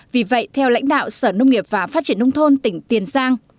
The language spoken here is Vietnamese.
vì vậy theo lãnh đạo sở nông nghiệp và phát triển nông thôn tỉnh tiền giang